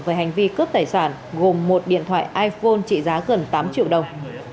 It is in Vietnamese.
về hành vi cướp tài sản gồm một điện thoại iphone trị giá gần tám triệu đồng